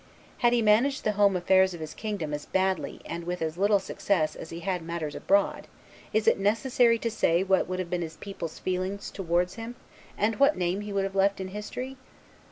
Had he managed the home affairs of his kingdom as badly and with as little success as he had matters abroad, is it necessary to say what would have been his people's feelings towards him, and what name he would have left in history?